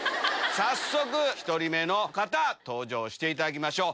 早速１人目の方登場していただきましょう。